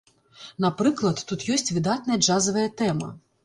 Напрыклад, тут ёсць выдатная джазавая тэма.